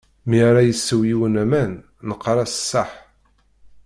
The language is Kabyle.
Mi ara isew yiwen aman, neqqar-as ṣaḥ.